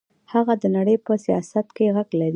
هند د نړۍ په سیاست کې غږ لري.